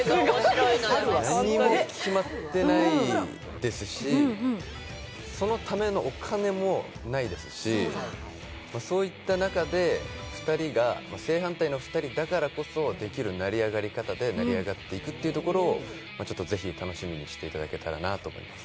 何も決まってないですし、そのためのお金もないですし、そういった中で、正反対の２人だからこそできる成り上がり方で成り上がっていくというところをぜひ楽しみにしていただけたらなと思います。